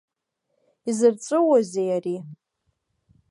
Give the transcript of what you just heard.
Изырҵәыуозеи ари?